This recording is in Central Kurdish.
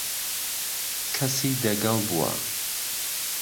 کهسی دهگهل بوە